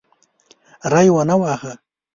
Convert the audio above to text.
ری ونه واهه.